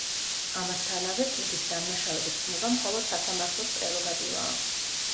ამასთანავე, პირის დამნაშავედ ცნობა მხოლოდ, სასამართლოს პრეროგატივაა.